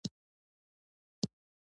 اته څلوېښتم لوست